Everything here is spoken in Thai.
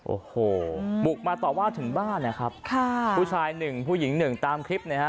โอ้โหบุกมาต่อว่าถึงบ้านนะครับค่ะผู้ชายหนึ่งผู้หญิงหนึ่งตามคลิปนะฮะ